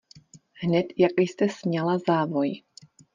Hned jak jste sňala závoj.